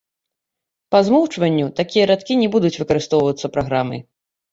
Па змоўчванню, такія радкі не будуць выкарыстоўваюцца праграмай.